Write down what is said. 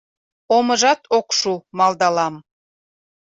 Омыжат ок шу, — малдалам.